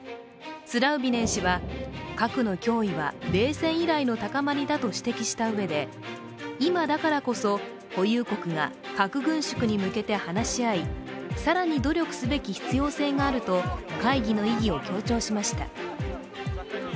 スラウビネン氏は核の脅威は冷戦以来の高まりだと指摘したうえで、今だからこそ、保有国が核軍縮に向けて話し合い更に努力すべき必要性があると会議の意義を強調しました。